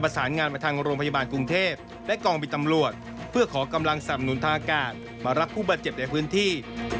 ทางทางการมารับผู้บาดเจ็บในพื้นที่